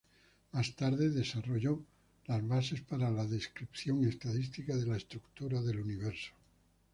Más tarde desarrolló las bases para la descripción estadística de la estructura del universo.